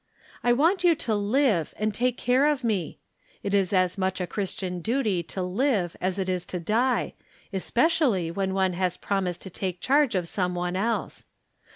I want you to live and take care of me. It is as much a Christian duty to live as it is to die, especially when one has prom ised to take charge of some one else.